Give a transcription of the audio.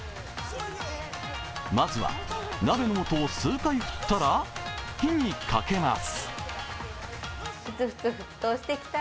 まずは、鍋のもとを数回振ったら、火にかけます。